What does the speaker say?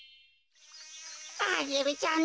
アゲルちゃん